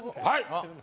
はい